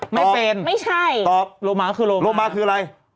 ไม่เป็นตอบโลมาคือโลมาโลมาคืออะไร